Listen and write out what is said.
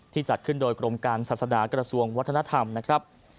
จัดขึ้นโดยกรมการศาสนากระทรวงวัฒนธรรมนะครับ